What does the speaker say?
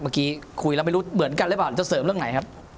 เมื่อกี้คุยแล้วไม่รู้เหมือนกันหรือเปล่า